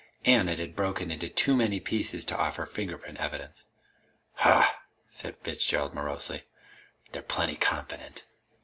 And it had broken into too many pieces to offer fingerprint evidence. "Hah!" said Fitzgerald morosely. "They're plenty confident!"